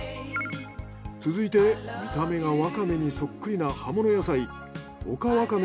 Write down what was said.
続いて見た目がワカメにそっくりな葉物野菜オカワカメ。